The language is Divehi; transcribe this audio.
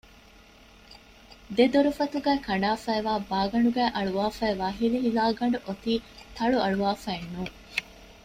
ދެ ދޮރުފަތުގައި ކަނޑާފައިވާ ބާގަނޑުގައި އަޅުވަފައިވާ ހިލިހިލާގަނޑު އޮތީ ތަޅުއަޅުވާފައެއް ނޫން